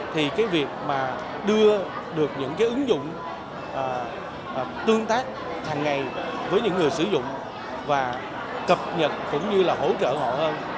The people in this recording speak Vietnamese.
thì cái việc mà đưa được những cái ứng dụng tương tác hàng ngày với những người sử dụng và cập nhật cũng như là hỗ trợ họ hơn